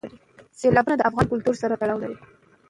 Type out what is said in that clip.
سیلابونه د افغان کلتور سره تړاو لري.